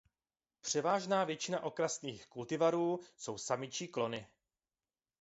Převážná většina okrasných kultivarů jsou samičí klony.